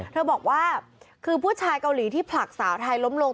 เธอบอกว่าคือผู้ชายเกาหลีที่ผลักสาวไทยล้มลง